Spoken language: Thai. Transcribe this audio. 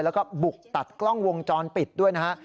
แล้วก็บุกตัดกล้องวงจรปิดด้วยนะฮะ